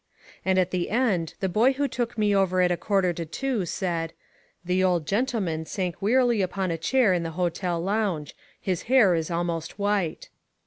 And at the end the boy who took me over at a quarter to two said, "The old gentleman sank wearily upon a chair in the hotel lounge. His hair is almost white."